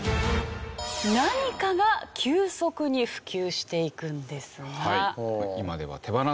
何かが急速に普及していくんですが。